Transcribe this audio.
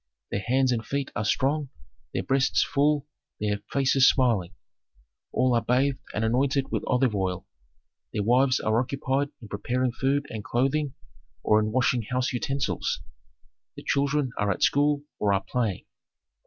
Their hands and feet are strong, their breasts full, their faces smiling. All are bathed and anointed with olive oil. Their wives are occupied in preparing food and clothing or in washing house utensils; the children are at school or are playing.